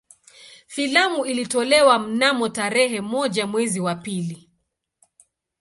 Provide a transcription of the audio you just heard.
Filamu ilitolewa mnamo tarehe moja mwezi wa pili